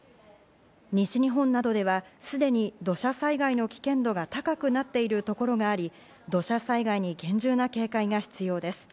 西日本などではすでに土砂災害の危険度が高くなっているところがあり、土砂災害に厳重な警戒が必要です。